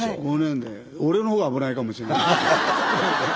俺の方が危ないかもしんない。